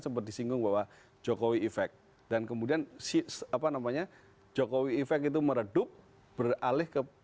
seperti singgung bahwa jokowi efek dan kemudian siapa namanya jokowi efek itu meredup beralih ke